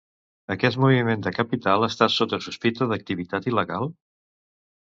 Aquest moviment de capital està sota sospita d'activitat il·legal?